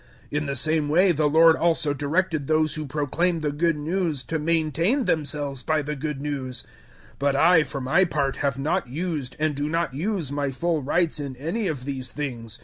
009:014 In the same way the Lord also directed those who proclaim the Good News to maintain themselves by the Good News. 009:015 But I, for my part, have not used, and do not use, my full rights in any of these things.